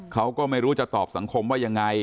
เขาก็ไม่รู้จะตอบสังคมว่ายังไง